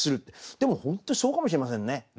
でも本当にそうかもしれませんね。